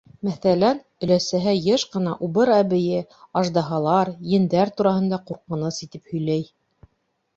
Мәҫәлән, өләсәһе йыш ҡына убыр әбейе, аждаһалар, ендәр тураһында ҡурҡыныс итеп һөйләй.